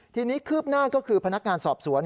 ทีนี้คืบหน้าก็คือพนักงานสอบสวน